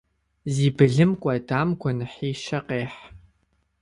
Зи былым кӏуэдам гуэныхьищэ къехь.